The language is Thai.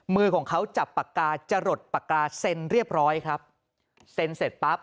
มือของเขาจับปากกาจะหลดปากกาเซ็นเรียบร้อยครับเซ็นเสร็จปั๊บ